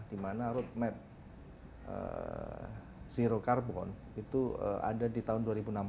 di mana road map zero carbon itu ada di tahun dua ribu enam puluh